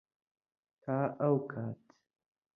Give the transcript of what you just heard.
تا ئەو کات.